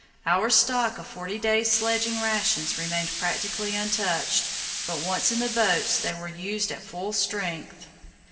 Our stock of forty days' sledging rations remained practically untouched, but once in the boats they were used at full strength.